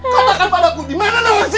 katakan padaku dimana nawansi